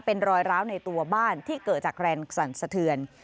เป็นรอยร้าวในตัวบ้านที่เกิดจากแรงสั่นสะเทือน